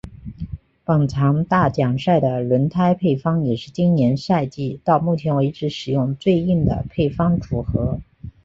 本场大奖赛的轮胎配方也是今年赛季到目前为止使用最硬的配方组合。